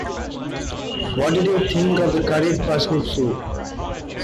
What did you think of the curried parsnip soup?